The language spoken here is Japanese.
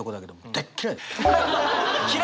大っ嫌い！